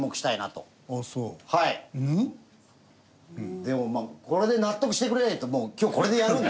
でもこれで納得してくれないともう今日これでやるんで。